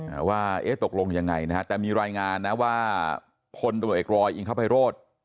อืมว่าเอ๊ะตกลงยังไงนะฮะแต่มีรายงานนะว่าคนตนุเอกรอยอิงคับไฮโรส